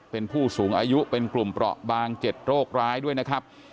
เป็นผู้สูงอายุเป็นกลุ่มเปราะบาง๗โรคร้ายด้วยนะครับ